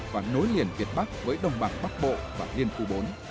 và nối liền việt bắc với đồng bằng bắc bộ và liên khu bốn